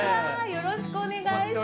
よろしくお願いします。